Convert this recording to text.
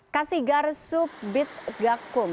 kasih garis subit gakkum